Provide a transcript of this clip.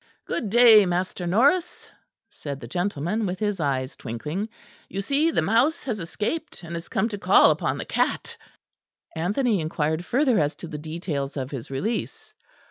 "Good day, Master Norris," said the gentleman, with his eyes twinkling; "you see the mouse has escaped, and is come to call upon the cat." Anthony inquired further as to the details of his release.